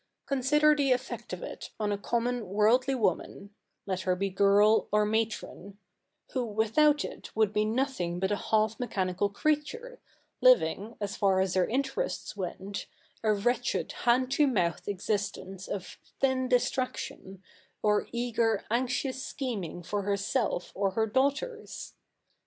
Consider the effect of it on a common worldly woman — let her be girl or matron — who without it would be nothing but a half mechanical creature, living, as far as her interests went, a wretched hand to mouth existence of thin distraction, or eager anxious scheming for herself or her daughters.